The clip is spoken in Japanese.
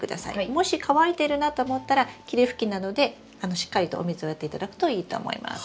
もし乾いてるなと思ったら霧吹きなどでしっかりとお水をやっていただくといいと思います。